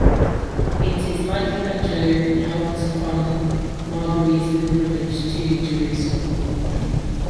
It is likely that Joan helped to fund Margery's pilgrimage to Jerusalem.